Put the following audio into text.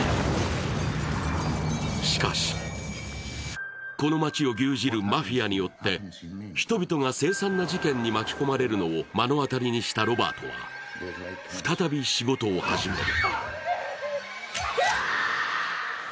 しかしこの街を牛耳るマフィアによって人々が凄惨な事件に巻き込まれるのを目の当たりにしたロバートは再び仕事を始める。